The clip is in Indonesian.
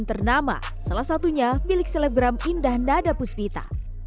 yang ternama salah satunya milik selegram indah nada puspita